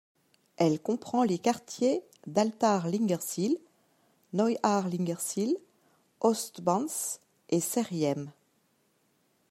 Elle comprend les quartiers d'Altharlingersiel, Neuharlingersiel, Ostbense et Seriem.